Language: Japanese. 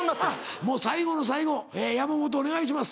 もう最後の最後山本お願いします。